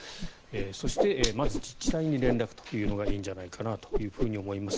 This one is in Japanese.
そして、まず自治体に連絡というのがいいんじゃないかなと思います。